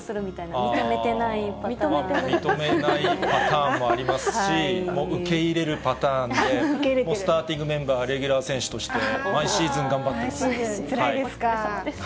認めないパターンもありますし、受け入れるパターンで、もうスターティングメンバー、レギュラー選手として、つらいですか？